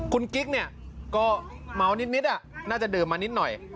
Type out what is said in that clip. คุณกิ๊กเนี่ยก็เมานิดน่าจะดื่มมานิดหน่อย